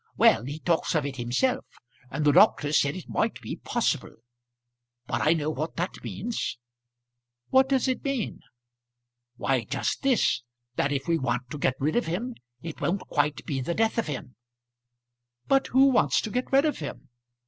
"Well, he talks of it himself; and the doctor said it might be possible. But I know what that means." "What does it mean?" "Why, just this: that if we want to get rid of him, it won't quite be the death of him." "But who wants to get rid of him?"